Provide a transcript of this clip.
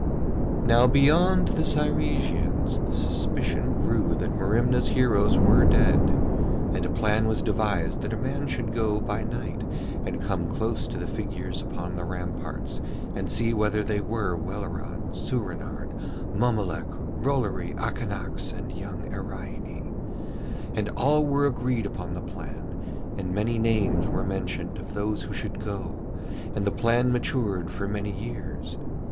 Now beyond the Cyresians the suspicion grew that Merimna's heroes were dead, and a plan was devised that a man should go by night and come close to the figures upon the ramparts and see whether they were Welleran, Soorenard, Mommolek, Rollory, Akanax, and young Iraine. And all were agreed upon the plan, and many names were mentioned of those who should go, and the plan matured for many years.